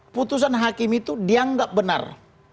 putusan hakim itu dianggap benar